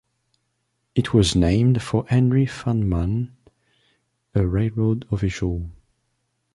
It was named for Henry Farnam, a railroad official.